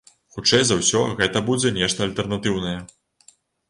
Хутчэй за ўсё, гэта будзе нешта альтэрнатыўнае.